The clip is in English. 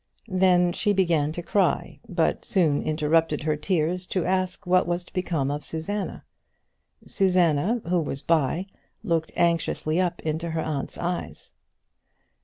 Then she began to cry again, but soon interrupted her tears to ask what was to become of Susanna. Susanna, who was by, looked anxiously up into her aunt's eyes.